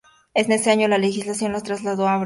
En ese año, la legislación las trasladó a abril.